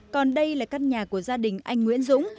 còn đây là căn nhà của gia đình anh nguyễn dũng